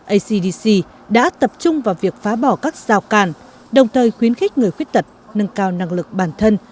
acdc đã tập trung vào việc phá bỏ các rào càn đồng thời khuyến khích người khuyết tật nâng cao năng lực bản thân